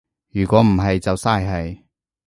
如果唔係就嘥氣